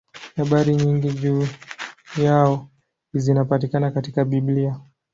Habari nyingi juu yao zinapatikana katika Biblia.